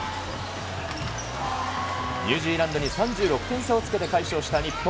ニュージーランドに３６点差をつけて快勝した日本。